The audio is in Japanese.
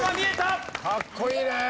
かっこいいね！